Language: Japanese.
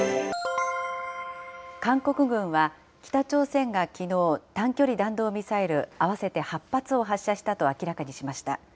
韓国軍は、北朝鮮がきのう、短距離弾道ミサイル合わせて８発を発射したと明らかにしました。